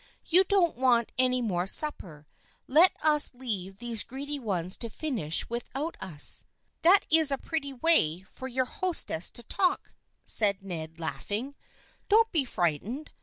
" You don't want any more supper. Let us leave these greedy ones to finish with out us." " That is a pretty way for your hostess to talk," said Ned, laughing. " Don't be frightened.